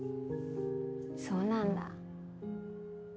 そうなんだ。